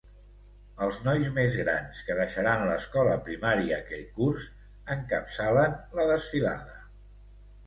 Els nois més grans, que deixaran l'escola primària aquell curs, encapçalen la desfilada.